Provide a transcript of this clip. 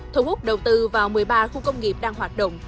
thu hút đầu tư vào một mươi ba khu công nghiệp đang hoạt động